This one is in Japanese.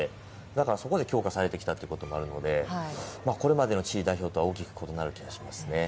だからそこで強化されてきたということもあるので、これまでのチリ代表とは大きく異なってきますね。